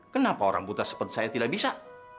kenapa orang buta seperti saya tidak bisa